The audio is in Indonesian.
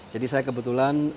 jadi saya kebetulan